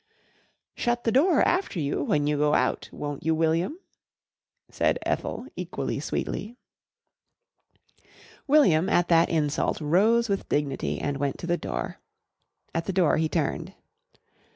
"Shut the door after you when you go out, won't you, William?" said Ethel equally sweetly. William at that insult rose with dignity and went to the door. At the door he turned.